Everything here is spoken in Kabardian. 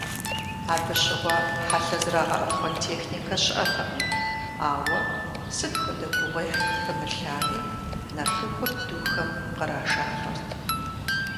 Абы щыгъуэ хьэлъэ зэрагъэӏэпхъуэн техникэ щыӏэтэкъым, ауэ, сыт хуэдэ гугъуехь пымылъами, нартыхур духэм кърашалӏэрт.